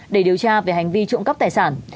để điều tra về hành vi trộm cắp tài sản